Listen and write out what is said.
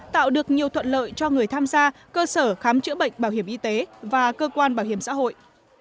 tạo được nhiều thuận lợi cho người tham gia cơ sở khám chữa bệnh bảo hiểm y tế và cơ quan bảo hiểm xã hội